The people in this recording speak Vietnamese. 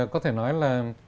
có thể nói là